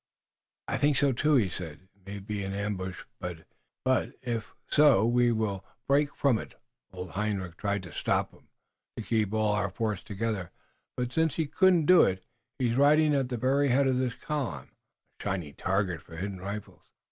"I think so, too," he said. "It may be an ambush, but if so we will break from it. Old Hendrik tried to stop 'em, to keep all our force together, but since he couldn't do it, he's riding at the very head of this column, a shining target for hidden rifles."